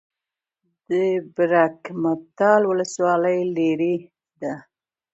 د برګ مټال ولسوالۍ لیرې ده